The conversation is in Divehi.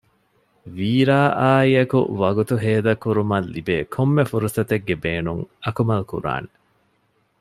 ވީރާއާއިއެކު ވަގުތު ހޭދަކުރުމަށް ލިބޭ ކޮންމެ ފުރުސަތެއްގެ ބޭނުން އަކުމަލް ކުރާނެ